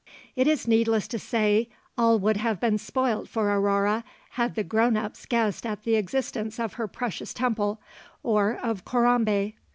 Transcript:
] It is needless to say all would have been spoilt for Aurore had the 'grown ups' guessed at the existence of her precious temple or of Corambé.